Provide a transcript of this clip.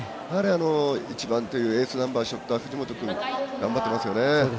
１番というエースナンバーを背負った藤本君頑張ってますよね。